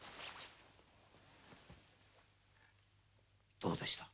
どうでした？